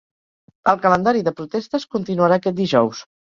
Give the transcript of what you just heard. El calendari de protestes continuarà aquest dijous.